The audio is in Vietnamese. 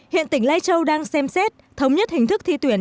hiện tỉnh lai châu đang xem xét thống nhất hình thức thi tuyển